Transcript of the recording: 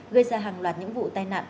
gây ra hàng loạt những vụ tai nạn